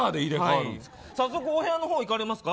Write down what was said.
早速お部屋のほういかれますか？